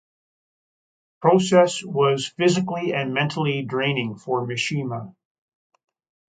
The process was physically and mentally draining for Mishima.